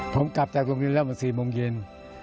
ผมกลับจากตรงนี้แล้วมัน๔โมงเย็น